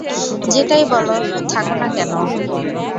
যেটাই বলো থাকো না কেন।